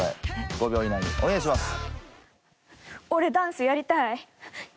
５秒以内にお願いします。